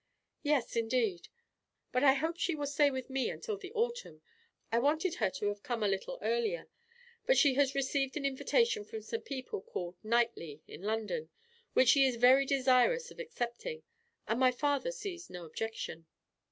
"Yes, indeed; but I hope she will stay with me until the autumn. I wanted her to have come a little earlier; but she has received an invitation from some people called Knightley, in London, which she is very desirous of accepting, and my father sees no objection."